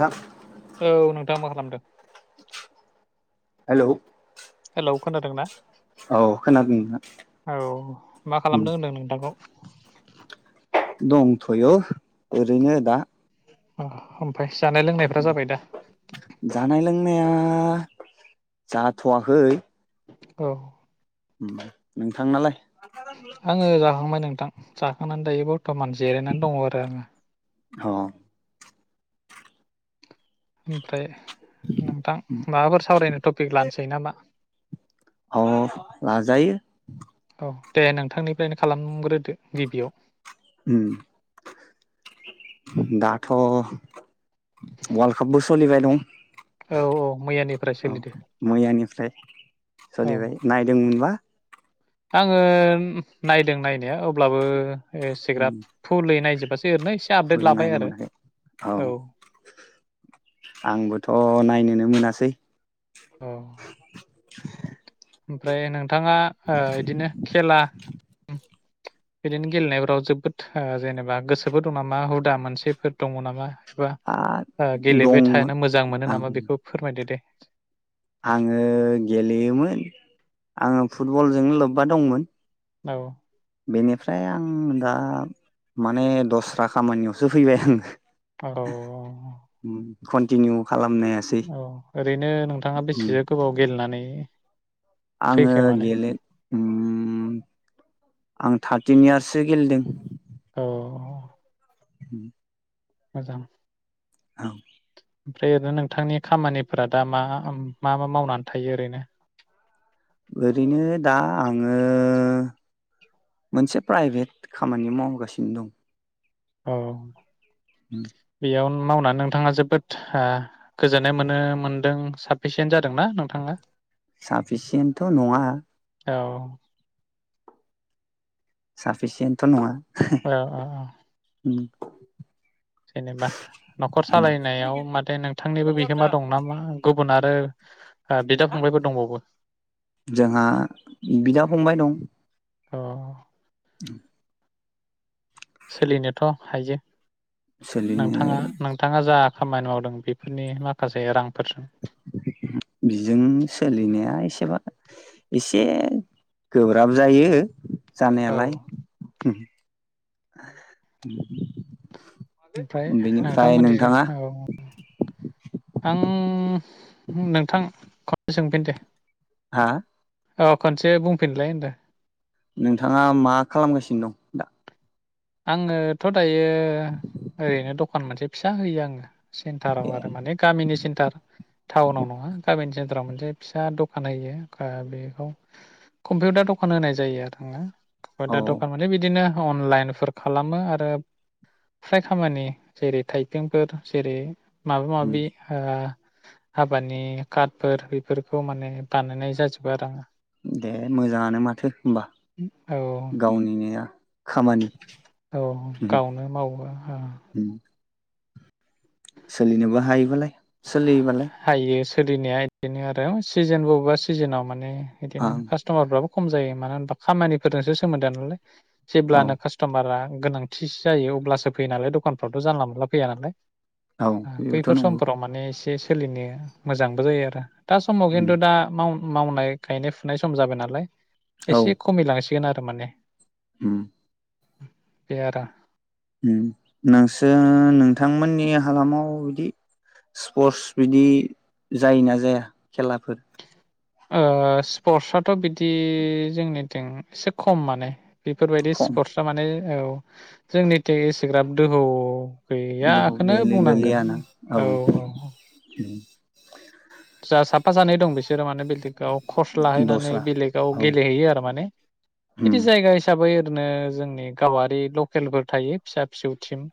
दां औ नोंथाङा मा खालामदों? हेलौ । औ खोनादोंना? खोनादों औ मा नोंथां खालामदों होनदों नोंथांखौ? दंथ'य'ओरैनो दा। अ ओमफाय जानाय लोंनायफ्रा जाबाय दा? नाया जाथवाखै औ । नोंथांनालाय? आङो जाखांबाय नोंथां । जाखांनानै दायो बरथमान जिरायनानै दङ' आरो । अ ओमफ्राय नोंथां माबाफोर सावरायनो टपिक लानोसै ना मा? अ लाजायो औ दे नोंथांनिफ्रायनो खालामग्रोदो गिबियाव । उम दाथ' वारलड काट बो सोलिबाइ दं । औ औ मैयानिफ्राय ओ सोलिदो मैयानिफ्राय औ सलिबाय नायदोंमोनबा आङो नायदों नायनाया अब्लाबो एसेग्राब फुलै नायजोब फुल नायनो मोनाखै औ आंबोथ' नायनोनो मोनासै दैै औ । ओमफ्राय नोंथाङा ओ इदिनो खेला उम बिदिनो गेलेनायफोराव जोबोद ओ जेनेबा गोसोबो दं नामा हुदा मोनसेफोर दङ' नामा? बा ओ दं गेलेबाय थानो मोजां मोनो आं नामा बेखौ फोरमायदो दे? आङो ओं बेनिफ्राय आं दा माने दस्रा खामानियावसो फैबाय आङो । औ । कनटिनिउ खालामनो हायासै ओरैनो नोंथाङा उम बेसेसो गोबाव गेलेनानै आङो फैखो माने गेले उम आं थार्टिन इयार्ससो गेलेदों । औ । उम । मोजां औ ओमफ्राय ओरैनो नोंथांनि खामानिफोरा दा मा मा-मा मावनानै थायो ओरैनो ओरैनो दा आङो मोनसे प्राइभेट खामानि मावगासिनो दं अ उम बेयावनो मावनानै नोंथाङा जोबोद ओ गोजोननाय मोनो मोनदों साफिसियेन्ट जादोंना नोंथाङा साफिसियेन्टथ' नङा औ साफिसियेन्टथ' नङा औ औ औ जेनेबा न'खर सालायनायाव मादि नोंथांनिबो बिहोमा दं नामा गुबुन आरो ओ बिदा हा फंबायफोर दंबावो जोंहा बिदा-फंबाय दं अ हम सोलिनोथ' हायो सोलिनो नोंथाङा नोंथाङा जा खामानि मावदों बेफोरनि माखासे रांफोरजों बिजों सोलिनाया एसेबा एसे गोब्राब जायो औ जानायालाय उम ओमफ्राय बेनिफ्राय नोंथाङा नोंथांमोनिजों औ आं नोंथां खनसे सोंफिन दे हा औ खनसे बुंफिनलाय होनदो नोंथाङा मा खालामगासिनो दं दा आङोथ' दायो ओरैनो दखान मोनसे फिसा होयो आङो सेन्टाराव ए आरो माने गामिनि सेन्टार टाउनाव नङा गामिनि सेन्टार बारा मोनसे फिसा दखान होयो बेखौ कम्पिउटार दखान होनाय जायो आरोङा औ दा दखान माने बिदिनो, अनलाइन फोर खालामो आरो फ्राय खामानि जेरै थाइगेंफोर जेरै माबा माबि हाबानि कारटफोर बेफोरखौ माने बानायनाय जाजोबो आरो आङो दे मोजाङानो माथो होनबा औ गावनि नेया खामानि औ गावनो मावो हा सोलिनोबो हायोबालाय सोलियो बालाय [unintelligible] इदिनो आरो सिजोन बबेबा सिजोनाव माने बिदिनो आं कास्ट'मारफ्राबो खम जायो मानो होनबा खामानिफोरजोंसो सोमोन्दो नालाय। औ जेब्लानो कास्ट'मारा गोनांथिसो जायो अब्लासो फैयो नालाय दखानफ्रावथ' जानला मोनला फैया नालाय औ ओ बेबोथ' बैफोर नंगौ समफोराव माने सोलिनो मोजांबो जायो आरो। दा समाव खिन्थु दा माउ मावनाय गायनाय फुनाय सम जाबाय नालाय एसे खमिलां गोन आरो माने। उम बे आरो उम नोंसोर नोंथांमोननि हालामाव बिदि स्पर्टस बिदि जायोना जाया खेलाफोर? ओ स्पर्टसआथ' बिदि जोंनिथिं एसे खम माने। बेफोरबायदि खम स्पर्टसआ माने औ जोंनिथिं एसेग्राब दोहौ गैयाखौनो गोलै गोलै आना बुंनांगोन औ उम औ। जा साफा सानै दं बिसोरो माने [unintelligible] गाव कर्स लाहैनानै दस्रा बेलेगाव औ गेलेहैयो आरो माने बिदि उम जायगा हिसाबै नो जोंनि गावारि लकेलफोर थायो फिसा फिसौ थिम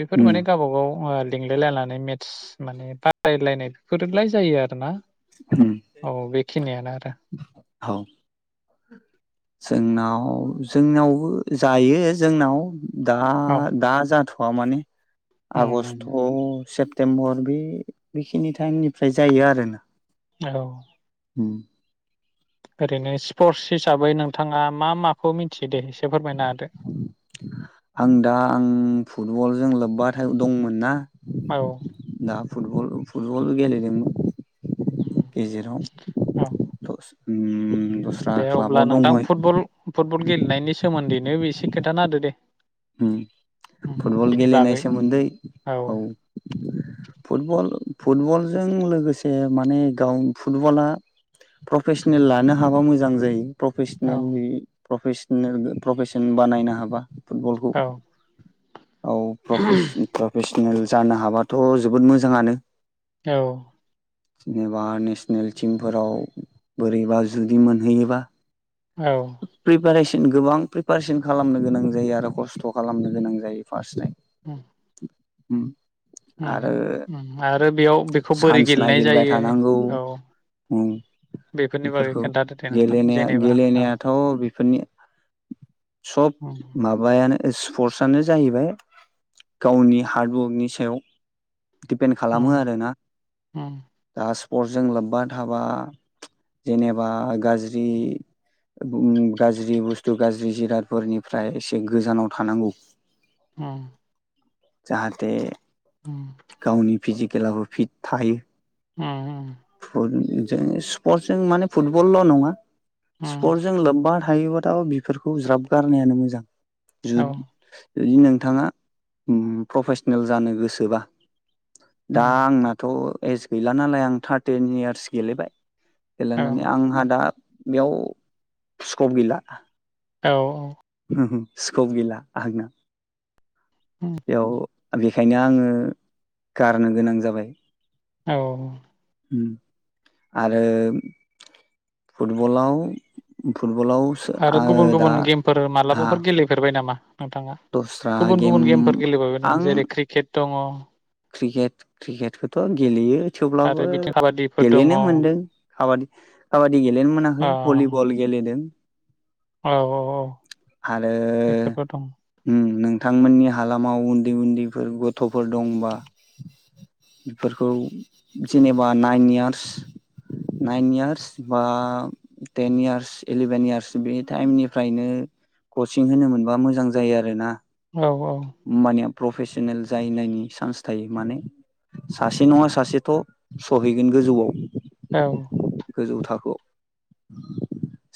बेफोर उम माने गावबागाव आरो लिंलायलायनानै मेटस माने बादायलायनाय बेफोरलाय जायो आरोना। उम औ बेखिनियानो आरो। [inaudible] औ जोंनाव जोंनावबो जायो जोंनाव दा औ दा जाथ' वा माने उम आगष्ट सेप तेमबर बे बेखिनि टाइमनिफ्राय जायो आरोना। औ उम ओरैनो स्पर्टस हिसाबै नोंथाङा मा माखौ मिन्थि आं दा आं फुटबलजों लोब्बा दंमोन ना औ दा फुटबल फुटबल गेलेदोंमोन उम गेजेराव औ दस उम दस्रा दे अब्ला क्लाबाव नोंथां दंमोन फुटबल फुटबल गेलेनायनि सो सोमोन्दैनो बेसे खोन्थाना होदो दे उम उम फुटबल बेनि गेलेनाय बागै औ सोमोन्दै औ फुटबल फुटबलजों लोगोसे माने गाव फुटबला प्रफेसनेल लानो हाबा मोजां जायो । औ प्रफेसनेलि प्रेपेसनेल प्रपेसन बानायनो हाबा फुटबलखौ औ औ प्रेेपेस प्रपेस नोल जानो हाबाथ जोबोद मोजाङानो औ जेनेबा नेसनेल टिमफोराव बोरैबा जुदि मोनहैयोबा औ सिन गोबां प्रिपारेसन खालामनो गोनां जायो आरो खस्थ खालामनो गोनां जायो फार्स्ट टाइम । औ हुम आरो बेयाव बेखौ बोरै चान्स गेलेनाय नागिरबाय जायो थानांगौ औ उम बेफोरनि बागै खोन्थादो दे नोंथां जेनेबा औ थाव बेफोरनि सब उम माबायानो ओ स्पर्सनो जाहैबाय गावनि हार्डवकनि सायाव दिपेन्ड खालामो उम आरोना उम गास परजों लोब्बा थाबा जेनेबा गाज्रि ओम गाज्रि बुस्थु गाज्रि जिरादफोरनिफ्राय एसे गोजानाव थानांगौ ओम जाहाथे गावनि फिजिकेलाबो फिट थायो उम उम जों स्पर्टसजों माने फुटबलल' नङा उम सपर्टजों लोब्बा थायोबाथाब बेफोरखौ ज्राब गारनायानो मोजां औ जुद जुदि नोंथाङा ओम प्रफेसनेल जानो गोसोबा दा उम आंनाथ' एस गैला नालाय आं थार्ड टेन इयार्स गेलेबाय। औ गेलेनानै आंहा दा बेयाव स्कप गैला। औ। उम हो स्कप गैला आंनाव। उम बेयाव बेखायनो आङो गारनो गोनां जाबाय। औ। ओम आरो फुटबलाव फुटबलाव आरो आङो गुबुन दा गुबुन गेमफोर हा मालाबाफोर गेलेफेरबाय नामा? नोंथाङा दस्रा गुबुन गेम गुबुन गेमफोर गेलेबोबाय नामा आं जेरै क्रिकेट। दङ। क्रिकेट क्रिकेटखौथ' गेलेयो। आरो थेवब्लाबो बिदिनो काबादिफोर दङ गेलेनो औ मोनदों काबादि काबादि गेलेनो मोनाखै औ भलिबल गेलेदों। औ औ आरो बेफोरबो दं ओम नों थांमोननि हालामाव उन्दै उन्दैफोर गथ'फोर दंबा बेफोरखौ जेनेबा नाइन इयार्स नाइन इयार्स बा टेन इयार्स इलेभेन इयार्स बे टाइमनिफ्रायनो कचिं होनो मोनबा मोजां जायो आरोना। औ औ। होमबानिया प्रफेसनेल जाहैनायनि चान्स थायो माने सासे नङा सासेथ' सहैगोन गोजौआव। औ। गोजौ थाखोआव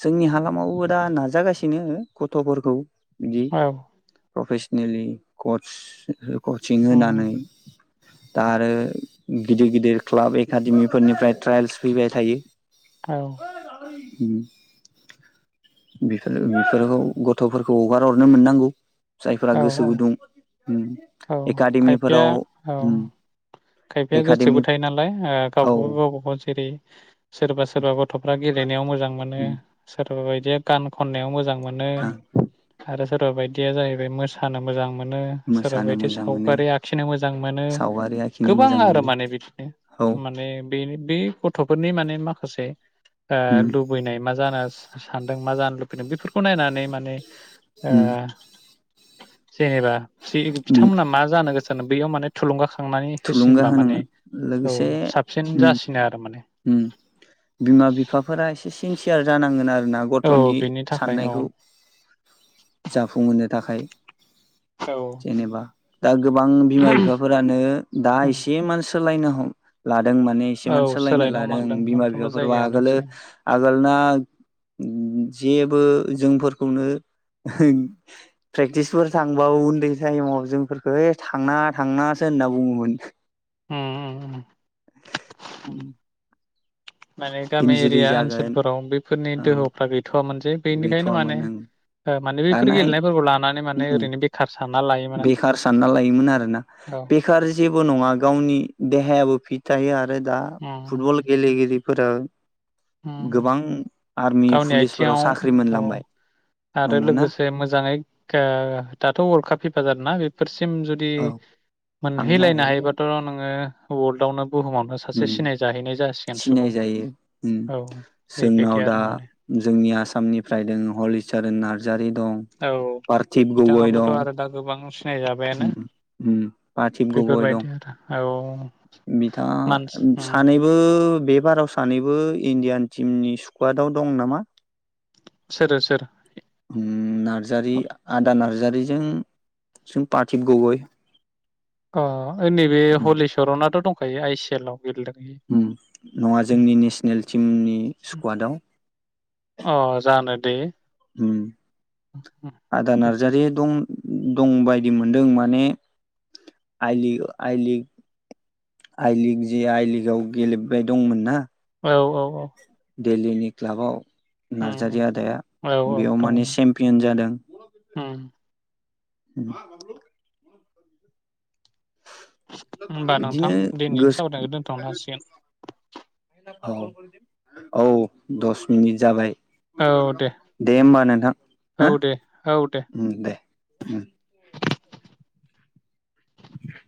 जोंनि हालामावबो दा नाजागासिनो गथ'फोरखौ इदि औ प्रफेसनेलि कच कचिं उम होनानै दा आरो गिदिर गिदिर क्लाब एकाडेमिफोरनिफ्राय ट्रायल्स फैबाय थायो। औ उम बेफोर बेफोरखौ गथ'फोरखौ हगार हरनो मोननांगौ। जायफोरा औ गोसो गुदुं उम औ खायफाया एकाडेमिफोराव औ उम। खायफाया गोसोबो थायो नालाय औ गावबागाव गावबागाव जेरै सोरबा सोरबा गथ'फ्रा गेलेनायाव मोजां मोनो। सोरबाबायदिया गान खननायाव मोजां मोनो आं आरो सोरबा बायदिया जाहैबाय मोसानो मोजां मोनो सोरबा मोसानो बायदि मोजां मोनो सावगारि आखिनो मोजां मोनो सावगारि आखिनो गोबां मोजां आरो मोनो माने बिदिनो औ माने बे बे गथ'फोरनि माने माखासे ओ लुबैनाय मा [unintelligible] सानदों मा जानो लुबैदों बेफोरखौ नायनानै माने ओ जेनेबा बिथांमोना मा जानो गोसो बेयाव माने थुलुंगाखांना थुलुंगा होनांगोन लोगोसे साबसिन उम जासिनो आरो माने उम बिमा बिफाफोरा एसे सिनसियार जानांगोन आरो ना औ गथ'नि बेनि थाखाय औ साननायखौ जाफुंहोनो थाखाय औ जेनेबा दा गोबां बिमा बिफाफोरानो दा एसे मान सोलायनो हम ला दों माने एसे औ माने सोलायनो लादों हमहांदों बिमा मोनफ्रोमबो बिफाफोरबो जायगायावनो आगोलो एसे आगोलना जेबो जोंफोरखौनो प्रेक्टिसफोर थांबाबो उन्दै टाइमाव जोंफोरखौ थांना थांनासो होनना बुङोमोन [inaudible] उम उम उम उम माने गामि एरिया ओनसोलफोराव बेफोरनि औ दोहौफ्रा गैथ'वामोनजे बेनिखायनो माने गैथ'वामोन ओं ओ माने बेफोर दानाय गेलेनायफोरखौ लानानै माने ओरैनो बेखार सान बेखार सानना लायोमोन आरोना आरो औ बेखार जेबो नङा गावनि देहायाबो फिट थायो आ फ्राय दा फुटबल गेलेगिरि फोरा ओम गावनि पुलिसफोराव साख्रि आथिङाव औ मोनलांबाय आरो नंगौना लोगोसे मोजाङै ओ दाथ' वर्ल्ड काप फी फा जादोंना बेफोरसो सिम जुदि औ थांनो मोनहैलायनो हायो हायोबाथ' नोङो वर्ल्ड आउनो बुहुमावनो उम सासे सिनाय जाहैनाय जासिगोन सुबुं ओम औ बेबायदि जोंनाव दा आरो माने जोंनि आसामनिफ्राय दों हलिचरन नारजा जारिन औ बिथाङाबोथ' आरो दा गोबां उम सिनायजाबायानो उम पार्थिब गगय दं बेफोरबायदि आरो औ। बिथाङा मानसि उम सानैबो बे बाराव सा सानैबो इण्डियान टिमनि स्कुवाडाव दं नामा? सोरो सोर? उम नारजारि आदा नारजारिजों सिं पार्थिब गगै। अ। नैबे हलिचरनाथ' दं खायो आइ सेल आव। गेलेदों ओम नङा जोंनि नेसनेल टिमनि स्कुवाडाव। बे उम आदा नारजारि दं। दंबायदि मोनदों माने आइलीग ओ आइलीग आइलीग जि आइलीगाव गेलेबाय दंमोन ना। औ औ औ। दिल्लीनि क्लाबाव। उम उम नारजारि आदाया औ औ बेयाव माने दङमोन चेम्पियन जादों। उम ओम। होनबा नोंथां बिदिनो दिनैनि गोसो सावरायनायखौ दोनथ'नो हासिगोन। औ औ दस मिनिट जाबाय। दे होमबा नोंथां हा औ दे औ दे ओम दे। ओम। [inaudible]